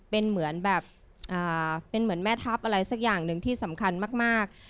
เป็นเหมือนแม่ทัพอะไรสักอย่างหนึ่งที่สำคัญมาก